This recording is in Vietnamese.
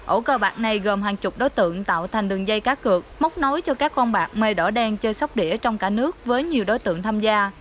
ổ cơ bạc này gồm hàng chục đối tượng tạo thành đường dây cá cược mốc nối cho các con bạc mây đỏ đen chơi sóc đĩa trong cả nước với nhiều đối tượng tham gia